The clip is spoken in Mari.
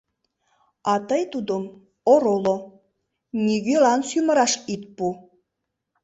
А тый тудым ороло, нигӧлан сӱмыраш ит пу.